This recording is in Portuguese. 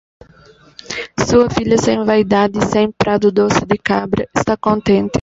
Sua filha, sem vaidade e sem prado doce de cabra, está contente.